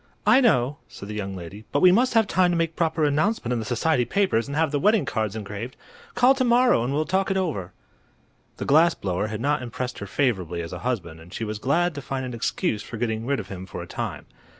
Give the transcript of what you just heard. "I know," said the young lady, "but we must have time to make proper announcement in the society papers and have the wedding cards engraved. Call to morrow and we'll talk it over." The glass blower had not impressed her favorably as a husband, and she was glad to find an excuse for getting rid of him for a time.